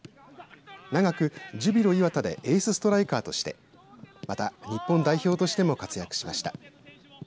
長く、ジュビロ磐田でエースストライカーとしてまた、日本代表としても活躍しました。